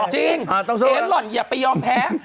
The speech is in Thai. จริงเสียหล่อนอย่าไปยอมแพ้